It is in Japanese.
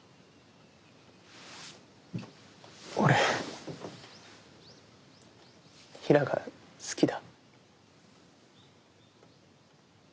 俺平良が好きだ。